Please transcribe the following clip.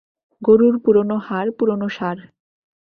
গরুর পুরোনো হাড়, পুরোনো সার।